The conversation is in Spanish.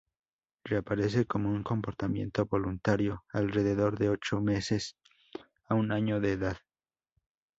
Reaparece como un comportamiento voluntario alrededor de ocho meses a un año de edad.